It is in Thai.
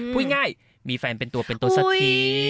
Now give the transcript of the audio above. พูดง่ายมีแฟนเป็นตัวเป็นตัวสักที